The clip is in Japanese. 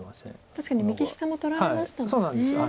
確かに右下も取られましたもんね。